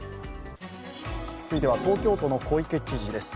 続いては東京都の小池知事です。